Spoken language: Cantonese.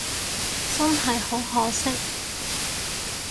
真係好可惜